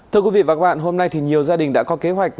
thưa quý vị và các bạn hôm nay thì nhiều gia đình đã có kế hoạch